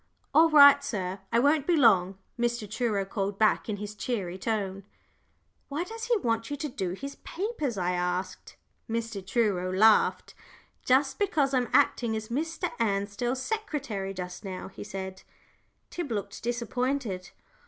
"All right, sir, I won't be long," Mr. Truro called back in his cheery tone. "Why does he want you to do his papers?" I asked. Mr. Truro laughed. "Because I'm acting as Mr. Ansdell's secretary just now," he said. Tib looked disappointed.